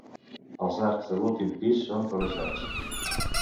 Els arcs de l'últim pis són rebaixats.